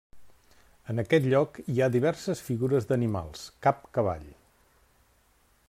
En aquest lloc hi ha diverses figures d'animals, cap cavall.